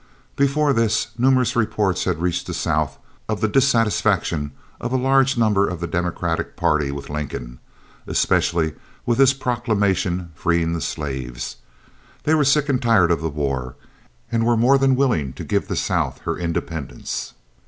Before this numerous reports had reached the South of the dissatisfaction of a large number of the Democratic party with Lincoln, especially with his proclamation freeing the slaves. They were sick and tired of the war, and were more than willing to give the South her independence.